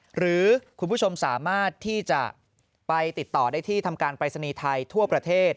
หรือคุณผู้ชมสามารถที่จะไปติดต่อได้ที่ทำการปรายศนีย์ไทยทั่วประเทศ